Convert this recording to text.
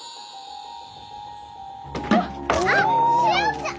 あっしおちゃん！